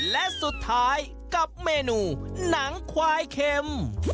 และสุดท้ายกับเมนูหนังควายเข็ม